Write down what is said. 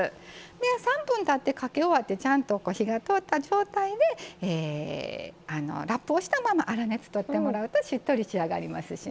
３分たってかけ終わってちゃんと火が通った状態でラップをしたまま粗熱とってもらうとしっとり仕上がりますしね。